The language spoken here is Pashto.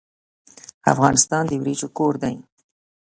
افغانستان د وریجو کور دی.